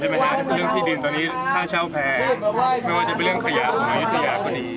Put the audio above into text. เป็นเรื่องที่ดินตอนนี้ค่าเช่าแพงไม่ว่าจะเป็นเรื่องขยะของอายุทยาก็ดี